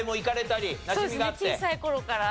小さい頃から。